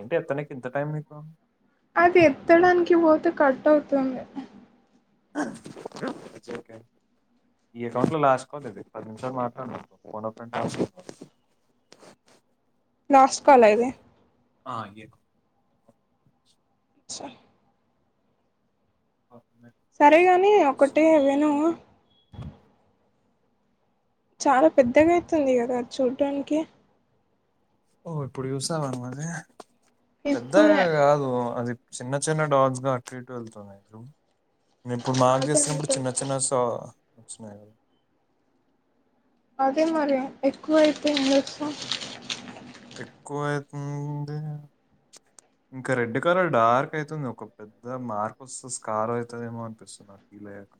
ఏంటి ఎత్తడాకి ఇంత టైంనికు పెత్తడానికి పోత కట్ అవుతుంది ఇట్స్ ఓకే ఈ అకౌంట్ లో లాస్ట్ కావాలి ఇది పది నిమిషాలు మాట్లాడ [unintelligible] లాస్ట్ కాల ఇతే ఆ ఇ అ లో ఉన్నాయి. సరే గాని ఒకటే అవేనా చాలా పెద్దగా అవుతుంది కదా అది చూడ్టానికి ఓ ఇప్పుడు చూసావాం అది ఇప్పుడే పెద్దగా కాదు అది చిన్న చిన్న డాగ్స్ గా అటుటు వెళ్తుంది న ఇప్పుడు మార్కు అదే చేసినప్పుడు చిన్న అంటున్నా చిన్న చ వచ్చినయి కదా అదే మరి ఎక్కువ అయితే నసం ఎక్కువ అయితుంది ఇంకా రెడ్ కలర్ డార్క్ అయితుంది ఒక పెద్ద మార్పుస్ స్కార్ అవుతుదేమో అనిపిస్తున్నారు మక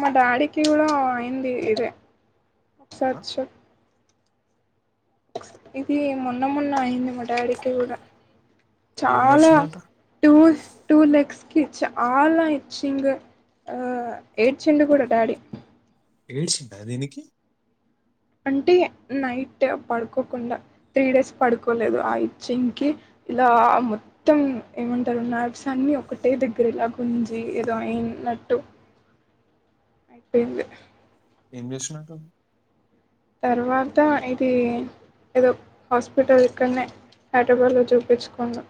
మా డాడీకి కూడా అయింది ఇదే ఆ? ఒకసారిచ్ ఇది మొన్న మొన్న అయియంది మా డాడీకి కూడా ఏం చాలా కరిచిందంట టూ టూ లక్స్కి ఇచ్చ ఆలా ఇచ్చంగ ఆ ఏయిడ్చండ్ కూడా డాడీ ఏడ్చంటా దీనికి అంటే నైట్ పడుకోకుండా త్రీ డేస్ పడుకోలేదు ఆ ఇచ్చింకి ఇలా మొత్తం ఏమంటారున్నారు సన్ని ఒకటే దగ్గర ఇలా గుంంచి ఏదో అయి నట్టు అయిపోంది ఏం చేస్తున్నట్ తర్వాత ఇది ఏదో హాస్పిటల్ ఇక్కడనే హైదరాబాద్లో చూపించుకున్నాం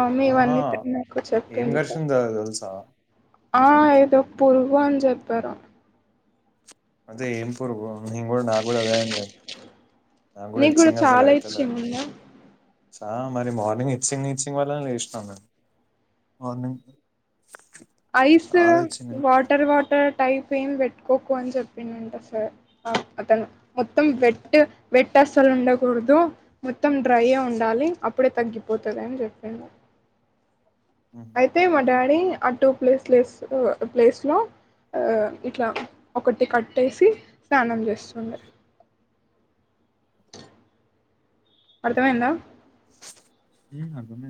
ఆ మీవన్నీ ఆహా నాకు ఏం చెప్పింది ఘర్షణ ద తెలుసా ఆ ఆయనకి ఏదో పురుగు అని చెప్పారు అదే ఏంపూర్ హింగూ నాగగు అదే అందే నీ కూడా చాలా ఇచ్చేంద చ మరి మార్నింగ్ ఇచ్చింగ్ ఇచ్చింగ్ వాళ్ళని లేసినాం మేము మార్నింగ్ ఐస్ చాలా ఇచ్చింగ్ అయి- వాటర్ వాటర్ టైప్ ఏం పెట్టుకోకు అని చెప్పింట సార్ అతను మొత్తం వెట్ వెట్ అస్సలు ఉండకూడదు మొత్తం డ్రైయ ఉండాలి అప్పుడే తగ్గిపోతుంది అని చెప్పడి ఉమ్ అయితే మా డాడీ ఆ టూ ప్లేస్లేస్ ప్లేస్ లో ఆ ఇట్లా ఒకటి కట్టేసి స్నానం చేస్తుండ అర్థం ఎందా ఇ అగమ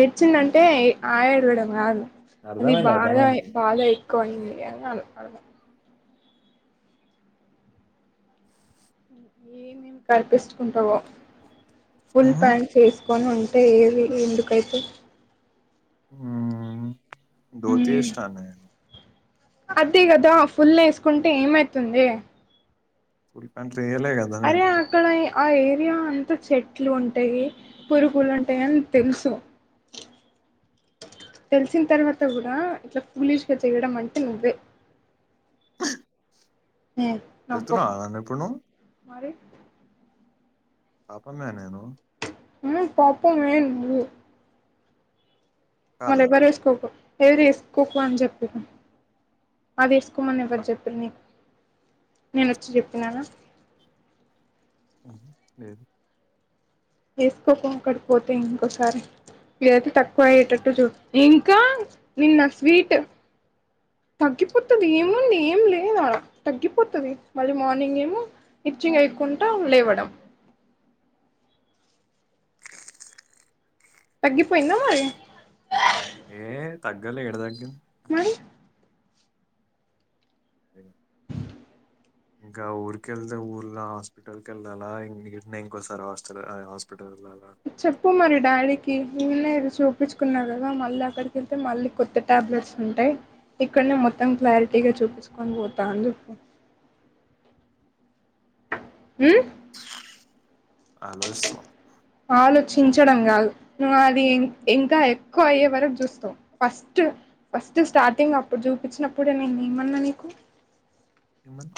ఏడ్చింది అంటే ఆయడం కాదు అది అర్థమైంది బాగా అర్థమైంది బాగా ఎక్కువ అయింది ఎను అడు ఏ మేము కనిపించుకుంటావో ఫుల్ ఉమ్ ప్యాంట్ వసుకొని ఉంటు అంటే ఏది ఎందుకైతే ద తీర్ష్టఠాన అదే కదా ఫుల్ వేసుకుంటే ఏమైతుంది ఫుల్ ప్యాంట్లు ఎయలే కదా అరే అక్కడ ఆ ఏరియా అంతా చెట్లు ఉంటయి పురుగులు ఉంటయి అని తెలుసు [inaudible] తెలిసిన్ తర్వాత కూడా ఇట్ల పూలిష్గా చేయడం అంటే నువ్వే నా బొక్క తిడుతున్నావా నన్ను ఇప్పుడు నువ్వు మరి పాపమే నేను ఉ పాపమే నువ్వు నా కాదా దగ్గర ఎస్కోకు ఎవరు ఎసుకోకు అని చెప్పిరు అదేసుకోమని ఎవరు చెప్పిరు నీకు నేనొచ్చి చెప్పినాన అ లేదు ఏసుకోకు అక్కడికి పోతే ఇంకోసారి ఇదైతే తక్కువ అయ్యేటట్టు ఉమ్, చూడు కా నిన్న స్వీట్ [inaudible] తగ్గిపోతది ఏముది ఏం లేదు ఆడ తగ్గిపోతది మళ్ళీ మార్నింగ్ ఏమో ఇచ్చింగ్ ఐ కుంటా లేవడం [inaudible] తగ్గి పొయిందా మరీ ఏ తగ్గలే ఏడ తగ్గిం మరి [inaudible] ఇంకా ఊరికెళ్తే ఊర్లో హాస్పిట ల్కెళ్ళాలా ఈన్నే ఇంకొసారి హాస్టల్ హాస్పిటల్ చెప్పు మరీ డాడీ కి ఈన్నే చూపిచ్చుకున్నా కదా మళ్ళీ అక్కడికెళ్తే మళ్ళీ కొత్త టాబ్లెట్స్ ఉంటై ఇక్కడ మొత్తం క్లారిటీగా చూపిచ్చుకోన్ పోతా అనిజెప్పు [inaudible] హు ఆలోచిస్తన్నమ్ చించడం కాదు నువ్వు అది ఇంకా ఎక్కువ అయ్యే వరకు చూస్తవ్ నా ఫస్ట్ ఫ స్ట్ స్టార్టింగ్ అప్పుడు చూపిచ్చినప్పుడే నేను ఏమన్నా నీకు ఏమన్న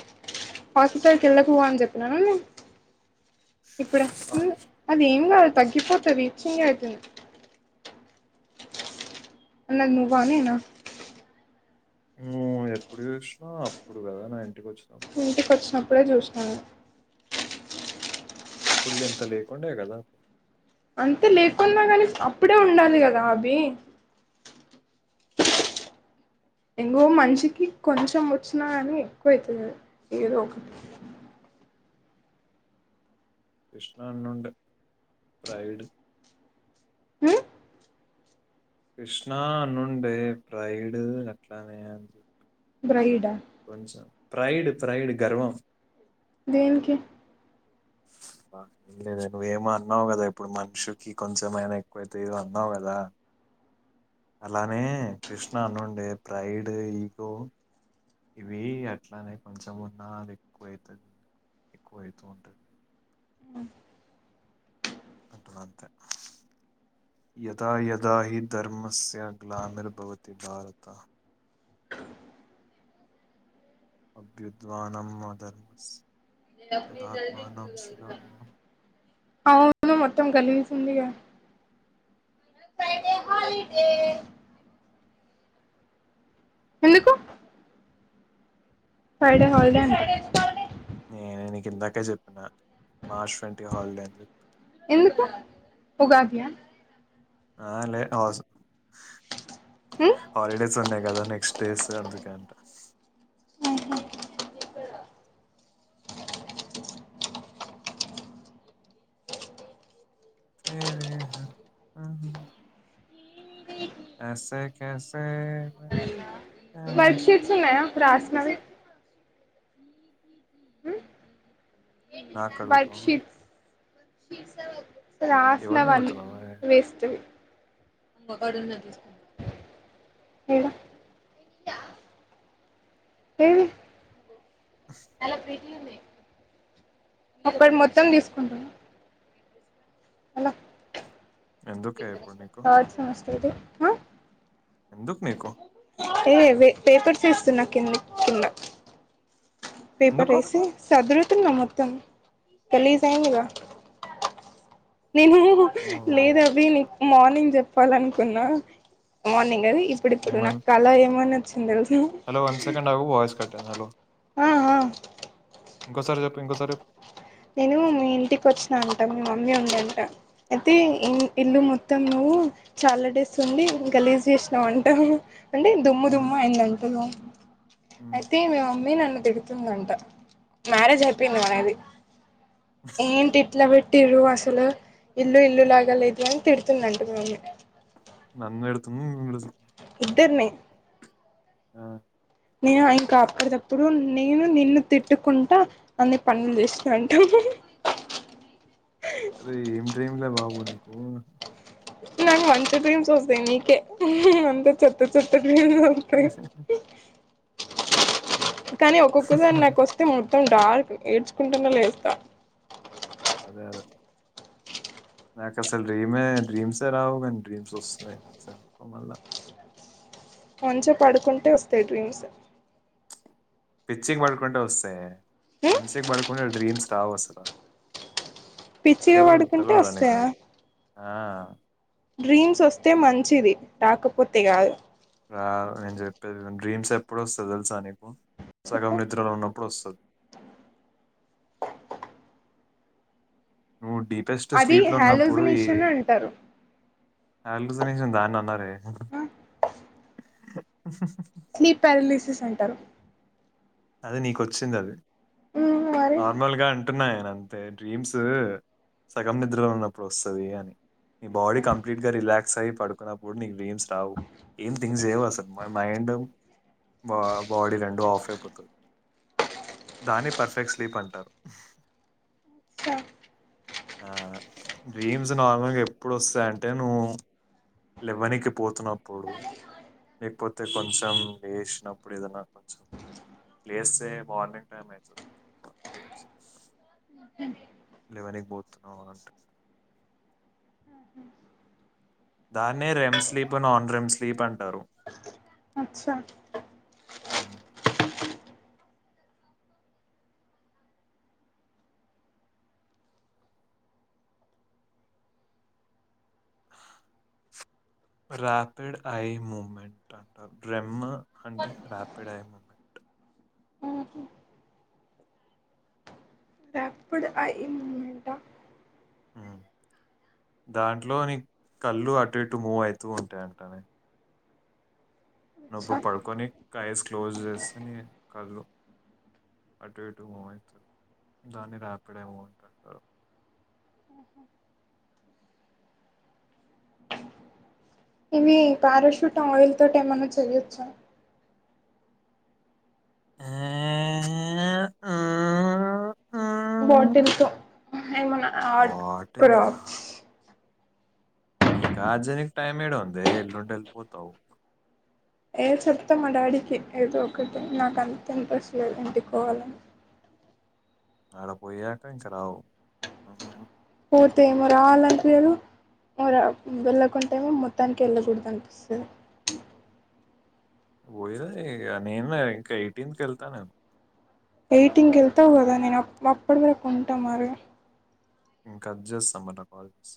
హాస్పిటల్కు ఎళ్ళకు అని జెప్పినాన నేను ఇప్పుడ అది ఏం కాదు తగ్గిపోతది ఇచ్చింగ్ ఐతుంది [inaudible] అన్నది నువ్వా నేనా నువ్వు ఎప్పుడు యూసినా అప్పుడు కదా నా ఇంటికి వచ్చ ఇంటికి వచ్చినప్పుడే చూసినను ఆప్పుడ్ల ఇంత లేేకండే గద ఇప్పుడే ఉండాలి కదా అబి ఇంగో మంచికి కొంచెం వచ్చినా గని ఎక్కువ అయితది ఏదో ఒకటి [inaudible] కృష్ణానుండే ప్రైడ్ హు కృష్ణా నుండే ప్రైడ్ అట్లనే అని బ్రైడ్ ఆ కొంచం ప్రైడ్ ప్రైడ్ గర్వం దేనికి స్ స్ ఏం లేదే నువ్వేమో అన్నావు కదా ఇప్పుడు మనిషికి కొంచెమైనా ఎక్కువైతే ఏదో అన్నావు కదా అలానే కృష్ణ అనుండే ప్రైడ్ ఈగో ఇవి అట్లానే కొంచెం ఉన్నది ఎక్కువవుతుది ఎక్కువ అవుతూ ఉంటది అంటవాంత యదా యదాహి ధర్మస్య్ గ్లామిర్భవతి భారతః అభ్యుద్వానమ్ అధర్మస్ తదాత్మానం సృజామ్యహం [unintelligible] అవును మొత్తం గలీజుందిగా ఫైడే హాలిడే ఎందుకు ఫైడే హల్డే అంట నేను నీకు ఇందాకే చెప్పిన మార్చ్ ట్వంటీ హాలిడే అని చెప్పి ఎందుకు ఉగాది ఆ ఆ లే ఆజు ఉమ్ హాలిడేస్ ఉన్నాయ్ గదా నెక్స్ట్ డేస్ అందుకే అంట ఉహు ఏ [unintelligible] అహు ఐసే కైసే బతా వర్క్ షీట్స్ ఉన్నాయా రాసినవి ఉమ్ నాక్ అడుగతావ్ ఎవరిని రాసినవన్ అడుగుతున్నావే వేస్ట్ వి ఏడ ఏది ఒక్క మొత్తం తీసుకుంటున అలొ ఎందుకే ఇప్పుడు నీకు [unintelligible] సోది అ ఎందుక్ నీకు ఏ వె పేపర్స్ ఏస్తున్న కింది కింద పేపర్ ఎందుకు ఏసి సదృ తున్న మొత్తం గలీజ్ అయిందిగా నేను హు ఓ లేదు అభి నీకు మార్నింగ్ చెప్పాలనుకున్నా మార్నింగ్ అది ఇప్పుడు ఇప్పుడు నా ఏమని కళ ఏమనొ హలో వన్ సెకండ్ ఆవు వాయిస్ కట్టై హలో ఆ ఆ ఇంకోసారి చెప్పు ఇంకోసారి ఎప్ నేను మీ ఇంటికి ఒచ్చినా అంట, మీ మమ్మీ ఉంది అంట, అయితే ఇ ఇల్లు మొత్తం నువ్. వు చాలా డేస్ ఉండి గలీజ్ చేసినావంటా అంటే దుమ్ము మ్మ్, దుమ్ము అయిందంతలో మ్మ్. అయితే మీ మమ్మి నన్ను దిడు తుందంట మ్యారేజ్ అయిపోయింది మనది ఏంటి ఇట్ల బెట్టిరు అస తలు ఇల్లు ఇల్లు లాగా లేదు అని తిడుతుందంట మీ మమ్మి నన్ ఇడుతున్ [unintelligible] ఇద్దర్ని ఆ నేను ఆ ఇంకా అప్పుడిదప్పుడు నేను నిన్ను తిట్టుకుంటా అన్ని పనుల్ చేస్సునంట అరే ఏం డ్రీంలే బాబు నీకూ నా మంచి డ్రీమ్స్ ఒస్తయ్ నీకే అంత చెత్త చెత్త డ్రీమ్ ఒత్తయ్ కానీ ఒక్కొక్కసారి నాకు ఒస్తే మొ త్తం డార్క్ ఏడ్చుకుంటనె లేస్తా అదే అదె నాకసలు డ్రీమే డ్రీమ్సే రావు గానీ డ్రీమ్స్ ఒస్సున్నయ్ సా మళ్ళ మంచ పడుకుంటే ఒస్తయ్ డ్రీమ్స్ పిచ్చిగ పడుకుంటే ఒస్తయే ఉమ్ మంచిగ్ పడుకుంటే డ్రీమ్స్ రావు అసల పిచ్చిగ వడుకుంటే ఒస్తయా ఆ డ్రీమ్స్ వస్తే మంచిది రాకపోతే కాదు రాదు నేను చెప్పేది విను డ్రీమ్స్ ఎప్పుడ వస్తది తెలుసా నీకు సగం చెప్పు నిద్రలో ఉన్నప్పుడు వస్తది నువ్వు డీపెస్ట్ అది స్లీప్లో ఉన్నప్పుడు ఈ హాలోజినేషన్ అంటారు అలుగుస్నేషన్ దాన్ని అనరే స్లీప్ ప్యారామిసిస్ అంటారు అది నీకొచ్చింది అది ఉమ్ మరి నార్మల్ గా అంటున్నాయ అంతే డ్రీమ్స్ ఊ సగం నిద్రలో ఉన్నప్పుడు వస్తది అని నీ బాడీ కంప్లీట్ గా రిలాక్స్ అయ్యి పడుకున్నప్పుడు నీకు డ్రీమ్స్ రావు ఏం థింగ్స్ ఏవు అసలు మన మైండ్ బాబ్ బాడీ రెడు ఆఫ్ అయిపోతది దాని పర్ఫెక్ట్ స్లీప్ అంటారు స ఆ డ్రీమ్స్ నార్మల్గా ఎప్పుడు వస్తాయంటే నువ్వు లెవనికి పోతున్నప్పుడు లేకపోతే కొంచెం వేసినప్పుడు ఏదన్నా కొంచెం లేస్తే మార్నింగ్ టైమ్ ఐతుంది [unintelligible] రీమ్స్ లేవనికి పోతున్నావ అంటే దాన్నే REM sleep non REM sleep అంటారు అచ్చా ఊ రాపిడ్ ఐ మూమెంట్ అంటరు బ్రెమ్ము అంటే rapid eye movement rapid eye movement ఊ దాంట్లో నీ కళ్ళు అటు ఇటు మూవ్ అయితూ ఉంటాయంటనే నుప్పుడు పడుకొని ఐస్ క్లోజ్ చేస్తాని కళ్ళు అటు ఇటు మూవ్ ఐతది దాన్ని రాపిడ్ ఏమో అంటుంటారు ఇవి పారాషూట్ ఆయిల్ తోటి ఏమన్నా చెయ్యొచ్చు ఆ బాటిల్ తో ఏమన్నా ఆర్ట్ బాటిల్ క్రాఫ్ట్స్ నీకా ఆజేనికి టైం ఏడ ఉందే ఎల్లుండి వెళ్ళిపోతావు ఏ చెప్తా మా డాడీకి ఏదో ఒకటి నాక అంత ఇంట్రెస్ట్ లేదు ఇంటికోవాలని అడ పోయాక ఇంక రావ్ ఊహు హూ పొతేమో రాలనిపియదు ఏమో రాప్ వెళ్ళకుంటేమో మొత్తానికి వెళ్ళకూడదు అనిపిస్తది పోయిద ఇగ నేను ఇంకా ఎయిటీన్ కి వెళ్తా నేను ఎయిటీన్ వెళ్తావు కదా నేను అప్పటి వరకుంట మరి ఇంకా జస్ ఆ మన కాల్ చేస్